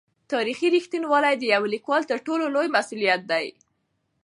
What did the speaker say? تاریخي رښتینولي د یو لیکوال تر ټولو لوی مسوولیت دی.